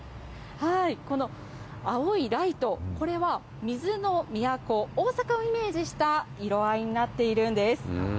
この青いライト、これは水の都、大阪をイメージした色合いになっているんです。